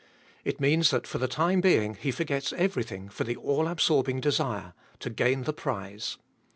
It means that for the time being he forgets every thing for the all absorbing desire — to gain the prize.